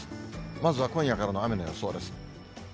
まずは今夜からの雨の予想です。